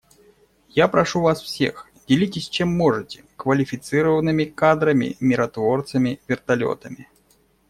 Я прошу вас всех: делитесь, чем можете, — квалифицированными кадрами, миротворцами, вертолетами.